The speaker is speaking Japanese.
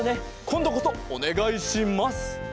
こんどこそおねがいします！